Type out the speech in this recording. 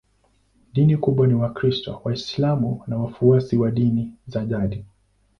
Dini kubwa ni Wakristo, Waislamu na wafuasi wa dini za jadi.